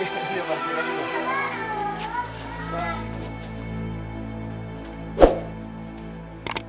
terima kasih pak